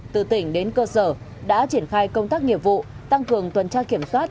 từ tỉnh đến cơ sở đã triển khai công tác nghiệp vụ tăng cường tuần tra kiểm soát